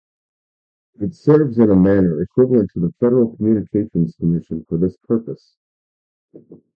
It serves in a manner equivalent to the Federal Communications Commission for this purpose.